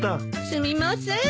すみません。